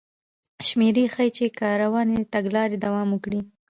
شمېرې ښيي چې که روانې تګلارې دوام وکړي